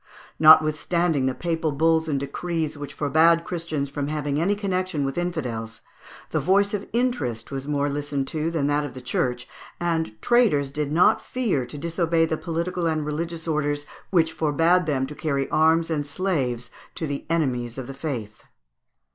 Notwithstanding the papal bulls and decrees, which forbade Christians from having any connection with infidels, the voice of interest was more listened to than that of the Church (Fig. 192), and traders did not fear to disobey the political and religions orders which forbade them to carry arms and slaves to the enemies of the faith.